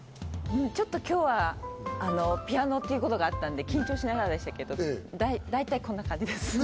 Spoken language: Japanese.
ちょっと今日はピアノということがあったので緊張しながらでしたけど、大体こんな感じです。